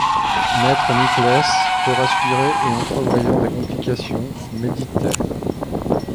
Maître Nicless, peu rassuré et entrevoyant des complications, méditait.